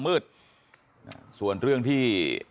มืดส่วนเรื่องที่